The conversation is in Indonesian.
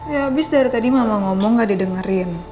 ya abis dari tadi mama ngomong gak didengerin